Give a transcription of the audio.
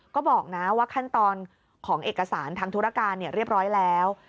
ก็บอกนะว่าขั้นตอนของเอกสารทางธุรการเรียบร้อยแล้ว